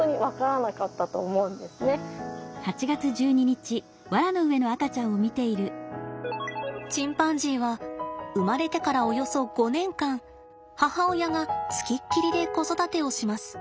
多分チンパンジーは生まれてからおよそ５年間母親がつきっきりで子育てをします。